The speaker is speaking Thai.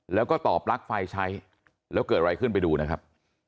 แล้วก็ตอบปลั๊กไฟใช้แล้วเกิดอะไรขึ้นไปดูนะครับ